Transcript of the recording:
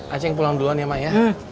aceheng pulang duluan ya mak ya